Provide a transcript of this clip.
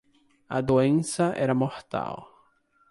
A doença era mortal.